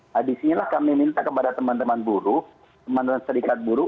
nah disinilah kami minta kepada teman teman buruh